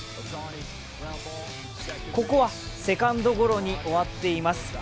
ここはセカンドゴロに終わっています。